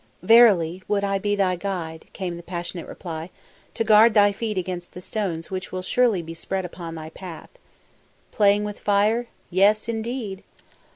"Verily would I be thy guide," came the passionate reply, "to guard thy feet against the stones which will surely be spread upon thy path." Playing with fire! Yes, indeed!